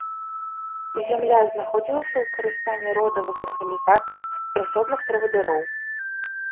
Зямля знаходзілася ў карыстанні родавых арганізацый і асобных правадыроў.